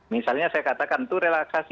misalnya saya katakan itu relaksasi